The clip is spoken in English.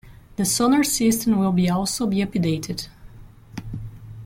The sonar system will be also be updated.